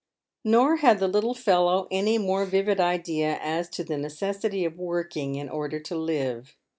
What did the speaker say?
Nor had the little fellow any more vivid idea as to the necessity of working in order to live.